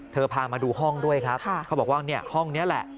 พามาดูห้องด้วยครับเขาบอกว่าเนี่ยห้องนี้แหละ